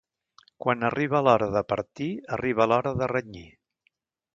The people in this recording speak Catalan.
Quan arriba l'hora de partir, arriba l'hora de renyir.